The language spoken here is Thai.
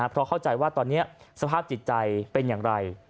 เพราะเข้าใจว่าตอนนี้สภาพจิตใจเป็นอย่างไร